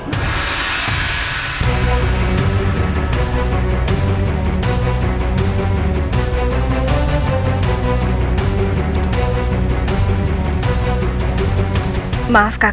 kebetulan saya satu pelajar